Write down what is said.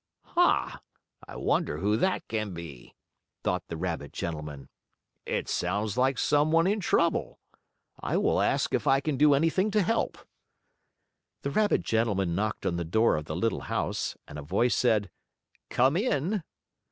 "Ha! I wonder who that can be?" thought the rabbit gentleman. "It sounds like some one in trouble. I will ask if I can do anything to help." The rabbit gentleman knocked on the door of the little house, and a voice said: "Come in!"